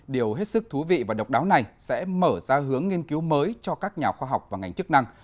điều hết sức thú vị và độc đáo này sẽ mở ra hướng nghiên cứu mới cho các nhà khoa học và ngành chức năng